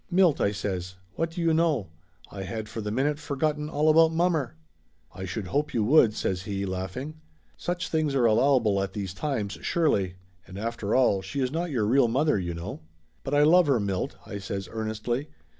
"Milt!" I says. "What do you know? I had for the minute forgotten all about mommer !" "I should hope you would!" says he laughing. "Such things are allowable at these times, surely ! And after all, she is not your real mother, you know." "But I love her, Milt!" I says earnestly.